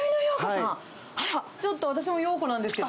あら、ちょっと私も陽子なんですけど。